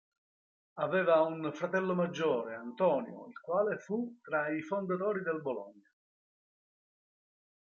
Aveva un fratello maggiore Antonio, il quale fu tra i fondatori del Bologna.